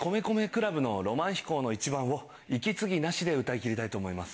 ＣＬＵＢの『浪漫飛行』の１番を息継ぎなしで歌い切りたいと思います。